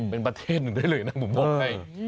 เป็นประเทศหนึ่งได้เลยนะผมบอกให้